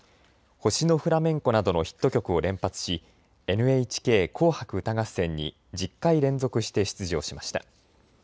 星のフラメンコなどのヒット曲を連発しＮＨＫ紅白歌合戦に１０回連続して出場しました。